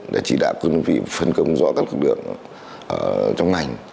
để chỉ đạo quân vị phân công rõ các lực lượng trong ngành